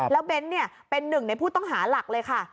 แล้วเบ้นเป็นหนึ่งในผู้ต้องหาหลักเลยค่ะ